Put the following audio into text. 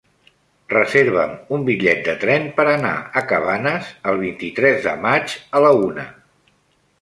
Reserva'm un bitllet de tren per anar a Cabanes el vint-i-tres de maig a la una.